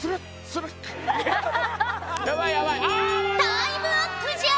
タイムアップじゃ！